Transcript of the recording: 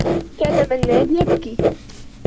كان منّاد يبكي.